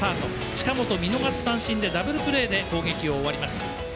近本、見逃し三振でダブルプレーで攻撃を終わります。